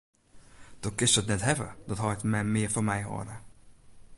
Do kinst it net hawwe dat heit en mem mear fan my hâlde.